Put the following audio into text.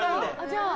じゃあ。